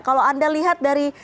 kalau anda lihat dari